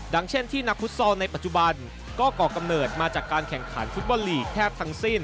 เช่นที่นักฟุตซอลในปัจจุบันก็ก่อกำเนิดมาจากการแข่งขันฟุตบอลลีกแทบทั้งสิ้น